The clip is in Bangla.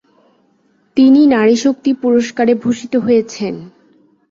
তিনি নারী শক্তি পুরস্কারে ভূষিত হয়েছেন।